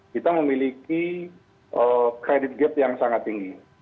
kita memiliki credit gate yang sangat tinggi